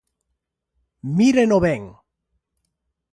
¡Míreno ben!